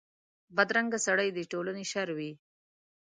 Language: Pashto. بدرنګه سړي د ټولنې شر وي